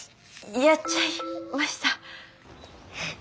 やっちゃいました。